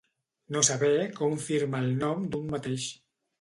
No saber com firmar el nom d'un mateix.